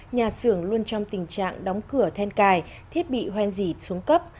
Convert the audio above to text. nhà xưởng luôn trong tình trạng đóng cửa then cài thiết bị hoen dỉ xuống cấp